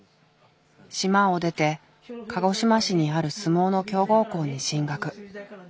島を出て鹿児島市にある相撲の強豪校に進学。